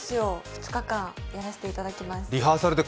２日間やらせていただきます